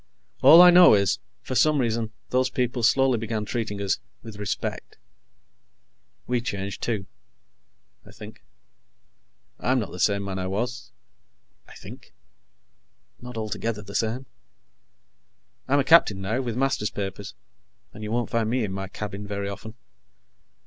All I know is, for some reason those people slowly began treating us with respect. We changed, too, I think I'm not the same man I was ... I think not altogether the same; I'm a captain now, with master's papers, and you won't find me in my cabin very often